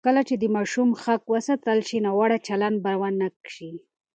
کله چې د ماشوم حق وساتل شي، ناوړه چلند به ونه شي.